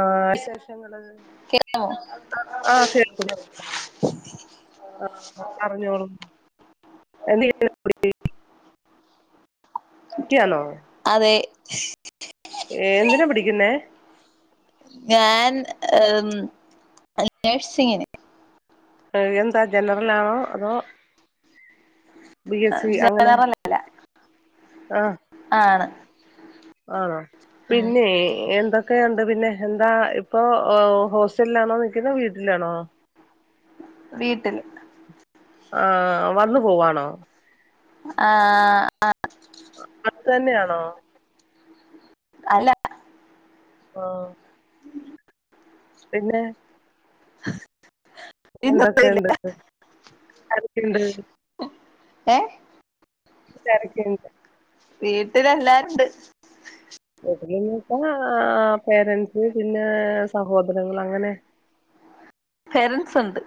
ആഹ് ശേഷങ്ങള് കേക്കാമോ ആഹ് കേൾക്കുന്നുണ്ട്. ആഹ് പർഞ്ഞോളു [unintelligible] ക്യാന്നോ അതെ ഏഹ് എന്തിനാ പടിക്കുന്നേ? ഞാൻ ഉം നേഴ്സിങ്ങിന്. ഏഹ് എന്താ ജനറലാണോ അതോ ബി എസ് സി അങ്ങനെ ജനറലല്ല ആഹ് ആണ് ആണോ ഉം പിന്നെ എന്ത ക്കെയുണ്ട് പിന്നെ എന്താ ഇപ്പൊ ഓ ഹോസ്റ്റൽലാണോ നിക്കുന്നെ വീട്ടിലാണോ വീട്ടില് ആഹ് വന്ന് പോവാണോ? ആഹ് അഹ് അത്തെന്ന്യാണോ? അല്ല ഓ പിന്നെ ഇല്ല എന്തൊക്കേണ്ട് ആരൊക്കെയുണ്ട്? ഏഹ് വീട്ടിലാരൊക്കെയുണ്ട്? വീട്ടില് എല്ലാരുണ്ട്. വീട്ടിലീന്ന് വെച്ചാ ആഹ് പേരന്റ്സ് പിന്നെ സഹോദരങ്ങള് അങ്ങനെ പേരന്റ്സ്ണ്ട്.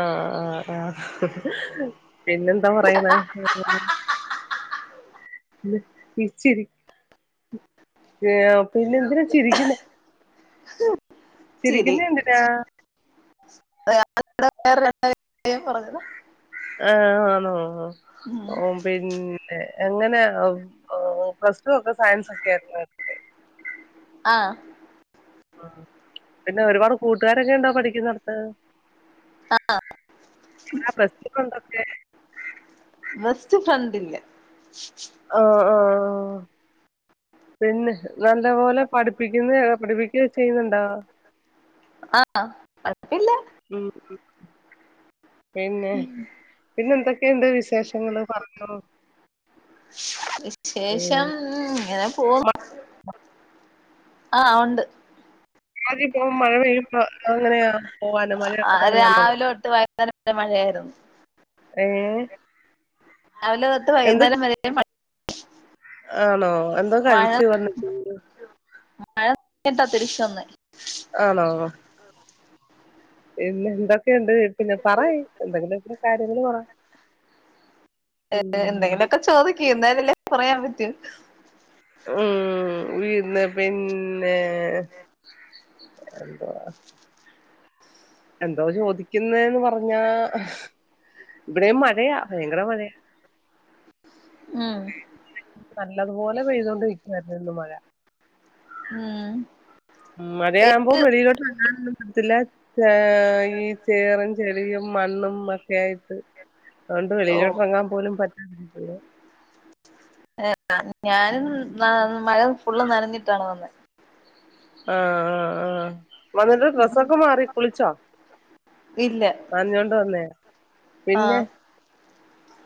ആഹ് ആഹ് ആഹ് പിന്നെ എന്താ പറയ്ണ [unintelligible] ഏഹ് പിന്നെ എന്തിനാ ചിരിക്ക്ന്ന ചിരി ചിരിക്കുന്ന എന്തിനാ? [inaudible] ആഹ് ആന്നോ ഉം ഓഹ് പിന്നെ എങ്ങനെ പ്ലസ് ടു ഒക്കെ സയൻസ് ഒക്കെ ആയിരുന്നോ എട ആഹ് പിന്നെ ഒരുപാട് കൂട്ടുകാരൊക്കെണ്ടോ പഠിക്കുന്നേട്ത്ത്? ആഹ് ആഹ് ബെസ്റ്റ് ഫ്രണ്ട് ഒക്കെ ബെസ്റ്റ് ഫ്രണ്ട് ഇല്ല. ആഹ് ആഹ് പിന്നെ നല്ലപോലെ പഠിപ്പിക്കുന്ന പഠിപ്പിക്കുക ചെയ്യുന്നുണ്ടോ ആഹ് ഉം ഉം പിന്നെ പിന്നെ എന്തൊക്കെയുണ്ട് വിശേഷങ്ങള് പറഞ്ഞോ വിശേഷം ഇങ്ങനെ പോന്നു ആഹ് ഉണ്ട് ആദ്യ പോകും മഴ പെയ്യുമ്പോ അങ്ങനെയാ പോകാലോ മഴയ ആഹ് രാവിലെ തൊട്ട് വൈകുന്നേരം വരെ മഴയായിരുന്നു. ഏഹ് രാവിലെ തൊട്ട് വൈകുന്നേരം വരെയും മഴ ആണോ എ മഴ മഴ നിട്ടാ തിരിച്ചൊന്ന് ആണോ ആഹ് പിന്നെ എന്തൊക്കെയുണ്ട് പിന്നെ പറ എന്തെങ്കിലും ഇ കാര്യങ്ങള് പറ ഉം എന്തെങ്കിലും ഒക്കെ എന്തായാലുംല്ലേ പറയാൻ പറ്റൂ ഉം വെറെന്ന പിന്നെ എന്ത എന്തോ ചോദിക്കുന്നന്ന് പറഞ്ഞാ ഇവിടെ മഴയാഭയങ്കര മഴയാ ഉം നല്ലതുപോലെ പെയ്തൊണ്ട് വക്കമായിരുന്നുരുന്നു മഴ ഉം ഏ- മഴയാവുമ്പോ വെളിയിലോട്ട് ഇറങ്ങാനൊന്നും പറ്റില്ല ആഹ് ഈ ചേറും ചെളിയും മണ്ണും ഒക്കെ ആയിട്ട് അതുകൊണ്ട് ഓ വെളിയില്ട്റങ്ങാൻ പോലും പറ്റാതിരിക്ക ഞാനും മഴ ഫുള്ള് നനഞ്ഞിട്ടാണ് വന്നത് ആഹ് ആഹ് ആഹ് വന്നിട്ട് ഡ്രസൊക്കെ മാറി കുളിച്ചോ ഇല്ല പറഞ്ഞോണ്ട് തന്നേ ആ പിന്നെ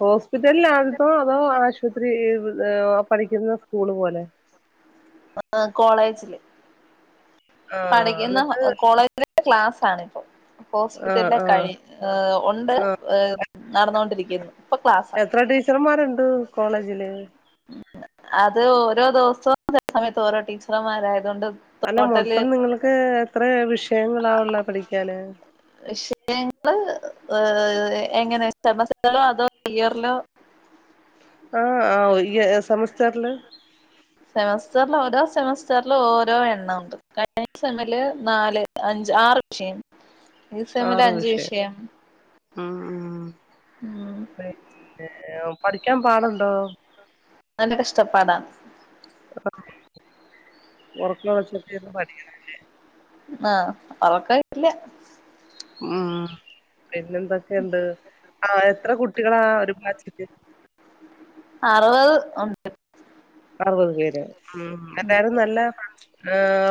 ഹോസ്പിറ്റല ല ആത്ത അതോ ആ ആശുപത്രി പഠിക്കുന്ന സ്കൂള് പോലെ ആഹ് കോളേജില് ആഹ് എന്നിട്ട് പഠിക്കുന്ന കോളേജ് [unintelligible] ക്ലാസ് ആണ ഇപ്പോൾ ആഹ് ഹോസ്പിറ്റലിലെ ആഹ് കഴി ഉണ്ട് നടന്നൊണ്ടിരിക്കുന്നു ഇപ്പൊ ക്ലാസ്സ ചറന്മാരുണ്ട് കോളേജിൽ അത് ഓരോ ദിവസവും ചില സമയത്ത് ഓരോ ടീച്ചർമാരായത കൊണ്ട് അല്ല മൊത്തം നിങ്ങൾക്ക് എത്ര വിഷയങ്ങളാവുള്ള പഠിക്കാന് വിഷയങ്ങള് ഏഹ് എങ്ങനെ സെമസറ്റ റോ അതോ ത്യയറിലോ ആഹ് ഹ് സമസ്റല്ല സെമസ്റ്ററിൽ ഓരോ സെമസ്റ്ററൽും ഓരോ എണ്ണ ഉണ്ട് കഴിഞ്ഞ സെമില് നാല് അഞ്ച് ആറ് [unintelligible] ഈസെമില് അഞ്ചു വിഷയം ഉം ഏഹ് പഠിക്കാൻ പാടുണ്ടോ നല്ല കഷ്ടപ്പാടാണ് ഉറക്ക ഒളച്ചട്ട പഠിക്കണമല്ലേ ആഹ് അവക്കല്ല ഉം പിന്നെന്തൊക്കെയുണ്ട് ആഹ് എത്ര കുട്ടികളാ ഒരു ബച്ല് അറുപത് ഉണ്ട് അറുപത് പേര് ഉം എല്ലാരും നല്ല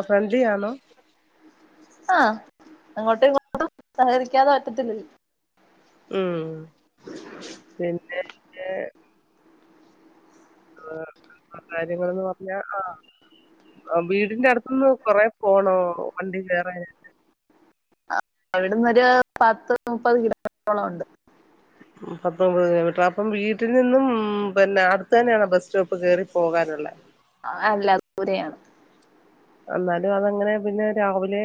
ഫ്രണ്ട്ലിയാണോ ആഹ് അങ്ങോട്ടും ഇങ്ങോട്ടും സഹകരിക്കാതെ പറ്റത്തില്ലല്ലോ ഉം പിന്നെ കാര്യങ്ങളന്ന് പറഞ്ഞാൽ ആഹ് ആഹ് വീടിന്റെ അടുത്ത നിന്ന് കൊറെേ പോണോ വണ്ടി കയറാൻ അവിടുന്ന്രുരു പത്ത് മുപ്പത് കിലോമീറ്ററോളം ഉണ്ട് പത്തൊൻമ്പത് കിലോമീറ്റർ അപ്പം വീട്ടിൽ നിന്നും പിന്നെ അടുത്ത തന്നെയാണോ ബസ് സ്റ്റോപ്പ് കേറി പോകാനുള്ളേ അ അല്ല ദൂരെയാണ്. എന്നാലും അതങ്ങനെ പിന്നെ രാവിലെ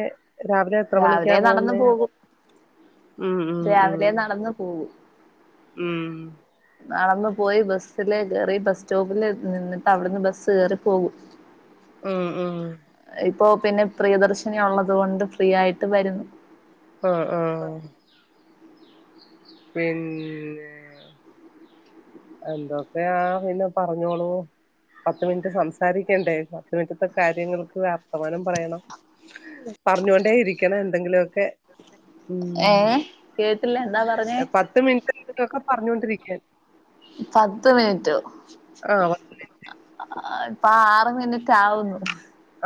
രാവിലെ എത്ര മണിക്കാ രാവിലെ നടന്നു പോകുന്നേ പോകും ഉം ഉം ഉം രാവിലെ നടന്ന് പോകു. ഉം നടന്നു പോയി ബസ്സില് കേറി ബസ് സ്റ്റോപ്പിൽ നിന്നിട്ട് അവിടുന്ന് ബസ്സ് കേറി പോകും ഉം ഉം ഇപ്പോ പിന്നെ പ്രിയദർശിനി ഉള്ളത് കൊണ്ട് ഫ്രീ ആയിട്ട് വരുന്നു ആഹ് ആഹ് പിന്നെ. എന്തൊക്കെയാ പിന്നെ പറഞ്ഞോളൂ. പത്ത് മിനിറ്റ് സംസാരിക്കണ്ടേ പത്ത് മിനിറ്റത്തെ കാര്യങ്ങൾക്ക് വർത്തമാനം പറയണം. പറഞ്ഞൊണ്ടേ ഇരിക്കണം എന്തെങ്കിലൊക്കെ. ഉം ഏഹ് കേട്ടില്ല എന്താ പറഞ്ഞേ പത്ത് മിനിറ്റൊക്കെ പറഞ്ഞുകൊണ്ടിരിക്കാൻ. പത്ത് മിൻറ്റ്. ആഹ് അ ആ ഇപ്പോ ആറ് മിനിറ്റാവുന്നു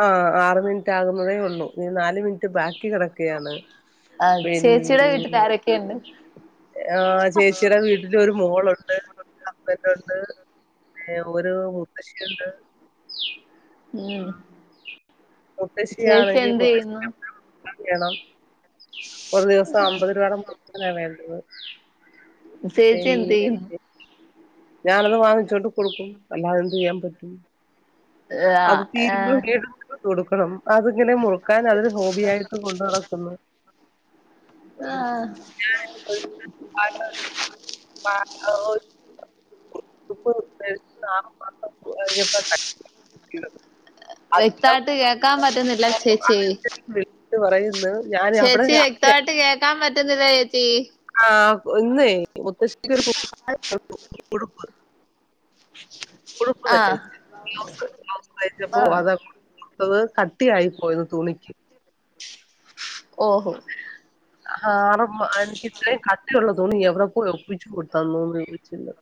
ആഹ് ആറ് മിനിറ്റ് ആകുന്നതേ ഒള്ളൂ ഇനി നാല് മിനിറ്റ് ബാക്കി കെട ക്കെയാണ് പിന്നെ. പിന്നെ ആഹ് ചേച്ചിടെ വീ ട്ടിലൊരു മോളുണ്ട് ഹസ്ബന്റുണ്ട് പിന്നെ ഒരു മുത്തശ്ശിഉണ്ട്. ഉം ചേച്ചി എന്ത് ചെയ്യുന്നു? ണം ഒരു ദിവസം അമ്പത് രൂപാടെ [unintelligible] വേണ്ടത് സേച്ചി എന്തേയ്യും? പിന്നെ ഞാനത് വാങ്ങിച്ചൊണ്ട് കൊടുക്കും അല്ലാതെന്ത് ചെയ്യാൻ പറ്റും. അത് ആഹ് തീരുമ്പോ ഏഹ് [unintelligible] കൊടുക്കണം അതിങ്ങനെ മുറുക്കാൻ അതൊരു ഹോബി ആയിട്ട് കൊണ്ട് നടക്ക്‌ന്ന്. ആഹ് [unintelligible] [unintelligible] വ്യക്തായിട്ട് കേക്കാൻ പറ്റുന്നില്ല ചേച്ചിയെയ്. ട്ട് പറയ്‌ന്ന് ചേച്ചി വ്യക്തായിട്ട് കേക്കാൻ പറ്റുന്നില്ല ചേച്ചി. ആഹ് ഇന്നെയ് മുത്തശ്ശിക്കൊരു [unintelligible] [unintelligible] ഉടുപ്പ് ഉടുപ്പ് ആഹ് [unintelligible] ബ്ലൗസ് ബ്ലൗസ് തയ്ച്ചപ്പോ ആഹ് അത [unintelligible] അപ്പത് കട്ടിയായി പോയിന്ന് തുണിയ്ക്ക്. ഓഹോ ഹാറും മാനിച്ചിട്ട് കട്ടിയൊള്ള തുണി എവ്ടെ പോയ് ഒപ്പിച്ചു കൊ തന്നൂന്ന് ചോദിച്ചില്ലാ.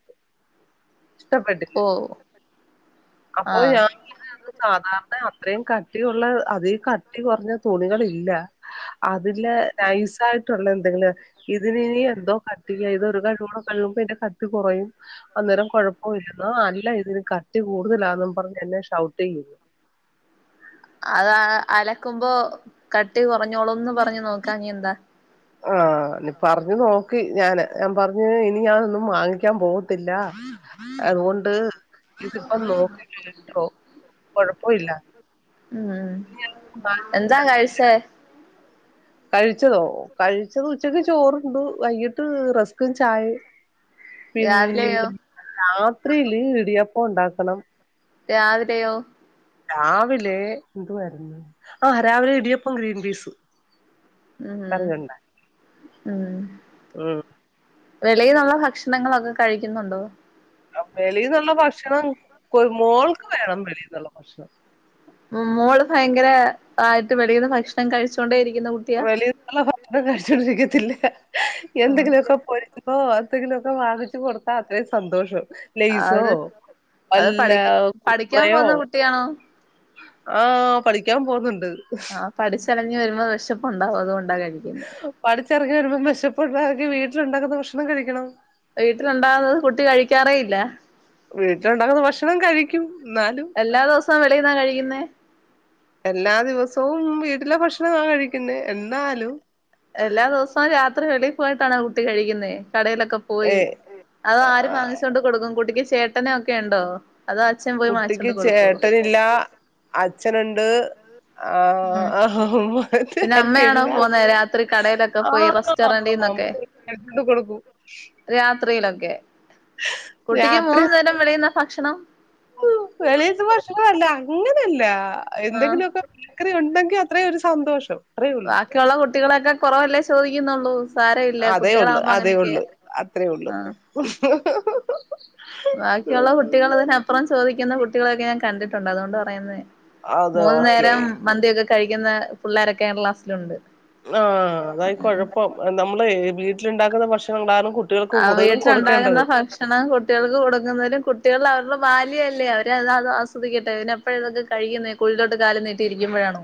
ഇഷ്ടപ്പെട്ടില്ല ഓ അപ്പോ ആഹ് ഞാൻ. ഇത് അത് സാധാരണ അത്രയും കട്ടിയുള്ള അതേ കട്ടി കുറഞ്ഞ തുണികളില്ല. അതില് നൈസായിട്ടുള്ള എന്തെങ്കിലും. ഇതിനിനി എന്തോ കട്ട് ചെയ്ത് ഒരു കഷ്ണങ്ങൂടെകഴിക്കുമ്പോ ഇതിന്റെ കട്ടി കൊറയും അന്നേരം കുഴപ്പോ ഇല്ലന്ന് നല്ല രീതിയില് കട്ടി കൂടുതലാന്നും പർഞ്ഞ് എന്നെ ഷൗട്ട് ചെയ്യും അതാ അലക്കുമ്പോ കട്ടി കുറഞ്ഞോളുംന്ന് പറഞ്ഞ് നോക്കാഞ്ഞെ എന്താ ആഹ് ഇനി പറഞ്ഞു നോക്കി ഞാന് ഞാൻ പറഞ്ഞ് ഇനി ഞാനൊന്നും വാങ്ങിക്കാൻ പോവത്തില്ലാ അതുകൊണ്ട് ഇതിപ്പം നോക്കി [unintelligible] കൊഴപ്പോ ഇല്ല ഉം എന്താ കഴിച്ചേ? കഴിച്ചതോ കഴിച്ചത് ഉച്ചക്ക് ചോറുണ്ടു വൈകിട്ട് റസ്ക്കും ചായേം. രാവിലെയോ പിന്ന രാത്രിയില് ഇടിയപ്പം ഒണ്ടാക്കണം. രാവിലെയോ? രാവിലെ എന്തുവായിരുന്നു ആഹ് രാവിലെ ഇടിയപ്പോം ഗ്രീൻ പീസും. ഹും ഉം ഉം വെളീന്നൊള്ള ഭക്ഷണങ്ങളൊക്ക കഴിക്കുന്നുണ്ടോ വെളീന്നൊള്ള ഭക്ഷണം മോൾക്ക് വേണം വെളീന്നൊള്ള ഭക്ഷണം. മോള് ഭയങ്കര ആയിട്ട് വെളീന്ന് ഭക്ഷണം കഴിച്ചൊണ്ടേരിക്കുന്ന കു വെളീന്നൊളള ഭക്ഷണം കഴിച്ചോണ്ടിരിക്കത്തില്ല ആഹ് എന്തെങ്കിലൊക്ക പൊരി ഓഹ് അത്തെങ്കിലൊക്കെ വാങ്ങിച്ച് കൊട്ത്താ അത്രീം സന്തോഷം ലൈസോ അത് അത് വല്ല പഠിക്ക കുർ പഠിക്കാൻ കുറെയോ. പോന്ന കുട്ടിയാണോ ആഹ് പളിക്കാൻ പോകുന്നുണ്ട് ആഹ് പഠിച്ചലഞ്ഞ് വെരുമ്പോ വെഷപ്പുണ്ടാവും അതുകൊണ്ടാ കഴിക്കുന്നെ പഠിച്ചിറങ്ങി വെരുമ്പോ വെശപ്പുണ്ടാവെങ്കി വീട്ടിലുണ്ടാക്കുന്ന ഭക്ഷണം കഴിക്കണം വീട്ടിലുണ്ടാവുന്നത് കുട്ടി കഴിക്കാറേ ഇല്ലാ വീട്ടിലൊണ്ടാക്കുന്ന ഭക്ഷണം കഴിക്കും എന്നാലും എല്ലാ ദവസവും വെളീന്നാ കഴിക്കുന്നേ എല്ലാ ദിവസവും വീട്ടില ഭക്ഷണമാ കഴിക്കുന്നെ എന്നാലും എല്ലാ ദിവസവും രാത്രി വെളീ പോയിട്ടാണ് കുട്ടി കഴിക്കുന്നെ കടയലക്ക പോയി ഏ അത് ആര് വാങ്ങിച്ചോണ്ട് കൊടുക്കും കുട്ടിക്ക് ചേട്ടനൊക്കെ ഇണ്ടോ അതോ അച്ഛൻ പോയി കുട്ടിക്ക് വാങ്ങിച്ചോണ്ട് കൊടുക്കോ ചേട്ടനില്ല അച്ഛനുണ്ട് ഉം ആഹ് അത് പിന്നെ അമ്മയാണോ ആർക്കുല്ല പോകുന്നത് രാത്രി കടയിലൊക്കെ പോയി ആഹ് റെസ്റ്റോറന്റിന്നൊക്കെ എടുത്തോണ്ട് കൊടുക്കും രാത്രിയിലൊക്കെ കുട്ടിക്ക് മൂന്നു നേരം വെളീന്നാ ഭക്ഷണം ഉം വെളീത്തെ ഭഷണല്ല അങ്ങനല്ല ആഹ് എന്തെങ്കിലൊക്ക പച്ചക്കറി ഒണ്ടെങ്കി അത്രേയും ഒരു സന്തോഷം അത്രേ ഉള്ളൂ ബാക്കിയൊള്ള കുട്ടികളക്ക കൊറവല്ലേ ചോയിക്കുന്നൊള്ളൂ സാര ഇല്ല അതേ ഉള്ളു കുട്ടികളാകുംമ്പ അതേ അങ്ങനെയൊക്കെയാ ഉള്ളു അത്രേ ഉള്ളു ബാക്കിയൊള്ള കുട്ടികൾ ഇതിനപ്പുറം ചോദിക്കുന്ന കുട്ടികളൊക്കെ ഞാൻ കണ്ടിട്ടൊണ്ട് അതോണ്ട് പറയുന്നെയ അത് മൂന്നു നേരം ഓക്കെ മന്തിയൊക്ക കഴിക്കുന്ന പിള്ളാരൊക്കെ കേരളാസിലൊണ്ട് ആഹ് അതായി കൊഴപ്പം നമ്മളെ ഈ വീട്ടിലുണ്ടാക്കുന്ന ഭക്ഷണണ്ടാലും ആഹ് വീട്ടിലുണ്ടാക്കുന്ന ഭക്ഷ് ക്ഷണം കുട്ടികൾക്ക് കൊടുക്കുന്നതിനും കുട്ടികൾ അവരുടെ ബാല്യല്ലേ അവരെ അത് അത് ആസ്വദിക്കട്ടെ ഇനിയപ്പഴ ഇതൊക്ക കഴിക്കുന്നെ കുഴീലോട്ട് കാലും നീട്ടി ഇരിക്കുംമ്പഴാണോ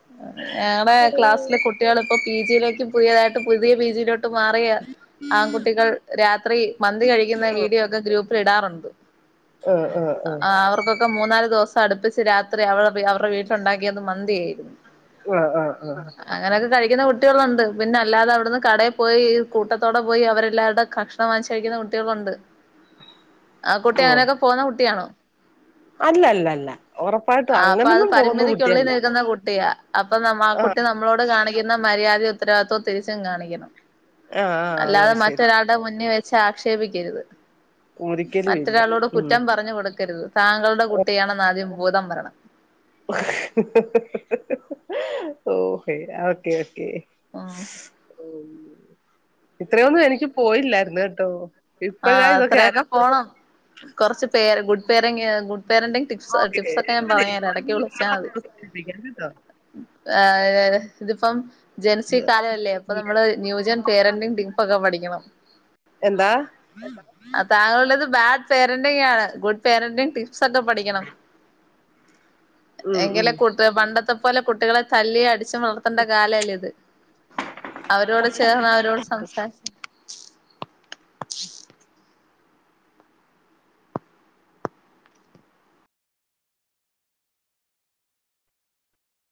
[inaudible] ഞങ്ങള ക്ലാസ്സിലെ കുട്ടികൾ ഇപ്പൊ പി ജിയിലേക്ക് പുതിയതായിട്ട് പുതിയ പി ജിയിലോട്ട് മാറിയ ആൺകുട്ടികൾ രാത്രി മന്തി കഴിക്കുന്ന വീഡിയൊക്ക ഗ്രൂപ്പ് പ്പി ടാറുണ്ട് ആഹ് ആഹ് ആഹ് ആവർ കൊക്ക മൂന്നാല് ദിവസം അടുപ്പിച്ച് രാത്രി അവടെ അവർടെ വീട്ടിലുണ്ടാക്കിയത് മന്തിയാര്ന്ന് ആ ആഹ് ആഹ് അങ്ങനെക്കെ കഴിക്കുന്ന കുട്ടികളൊണ്ട് പിന്നല്ലാതെ അവിടുന്ന് കടയി പോയി കൂട്ടത്തോടെ പോയി അവരെല്ലാവർടെ ക വാങ്ങിച്ചു കഴിക്കുന്ന കുട്ടികളൊണ്ട് ആ കുട്ടി ആഹ് അങ്ങനെക്കെ പോകുന്ന കുട്ടിയാണോ അല്ല അല്ല അല്ല ഉറപ്പായിട്ടും ആഹ് അപ്പൊ അത് അങ്ങനൊന്നും പോകുന്ന പരിമിതിക്കുള്ളിൽ കുട്ടിയല്ല നിൽക്കുന്ന കുട്ടിയാ അപ്പൊ നമ്മ ആ കുട്ടി നമ്മളോട് കാണിക്കുന്ന മര്യാദയും ഉത്തരവാദിത്വവും തിരിച്ചും കാണിക്കണം ആഹ് ആഹ് അതോ അല്ലാതെ ശരി മറ്റൊരാൾടെ മുന്നി വെച്ച് ആക്ഷേപിക്കരുത് ഒരിക്കലും ഇല്ല മറ്റൊരാളോട് ഉം കുറ്റം പറഞ്ഞു കൊടുക്കരുത് താങ്കളുടെ കുട്ടിയാണെന്ന് ആദ്യം ബോധം വെരണം ഓക്കെ ഓക്കെ ഓക്കെ ഉം ഇത്രയൊന്നു എനിക്ക് പോയില്ലായിര്ന്ന് കേട്ടോ ഇപ്പഴാ ആഹ് ഇതൊക്കെ ആലോ അത്രയൊക്കെ പോണം കൊറച്ച് പേര് good പേരെങ്ങ് good parenting tips okay ടിപ്സൊക്കെ ഞാൻ പറഞ്ഞുതരാ ഇടക്ക് വിളിച്ചാ മതി കേട്ടോ ആഹ് ഇതിപ്പം ജൻസി കാലമല്ലേ അപ്പൊ നമ്മള് ന്യൂജൻ പേരന്റിങ്ങ് ടിപ്പൊക്കെ പഠിക്കണം എന്താ? ആഹ് താങ്കളുടേത് ബാഡ് പേരന്റിങ്ങാണ് ഗുഡ് പേരന്റിങ് ടിപ്സൊക്കെ പഠിക്കണം ഉം എങ്കില് ഉം കുട്ടി പണ്ടത്തെ പോലെ കുട്ടികളെ തല്ലിം അടിച്ചു വളർ തണ്ട കാലല്ല ഇത് അവരോട് ചേർന്ന് അവരോട് സംസാ [inaudible]